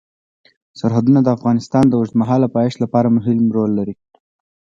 سرحدونه د افغانستان د اوږدمهاله پایښت لپاره مهم رول لري.